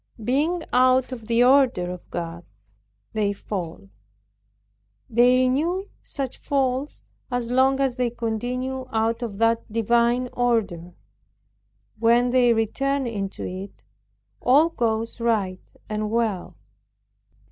Being out of the order of God, they fall. They renew such falls as long as they continue out of that divine order. When they return into it, all goes right and well.